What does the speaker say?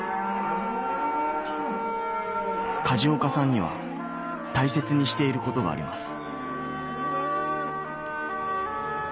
梶岡さんには大切にしていることがあります